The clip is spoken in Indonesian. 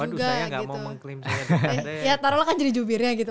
waduh saya gak mau mengklaim saya dengan anda ya